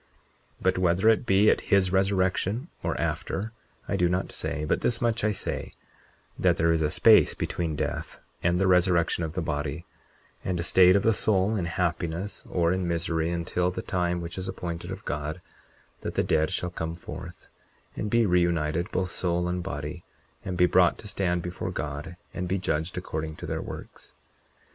40:21 But whether it be at his resurrection or after, I do not say; but this much I say, that there is a space between death and the resurrection of the body, and a state of the soul in happiness or in misery until the time which is appointed of God that the dead shall come forth, and be reunited, both soul and body, and be brought to stand before God, and be judged according to their works.